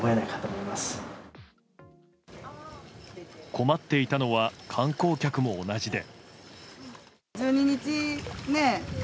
困っていたのは観光客も同じで。